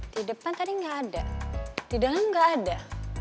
di depan tadi enggak ada di dalam enggak ada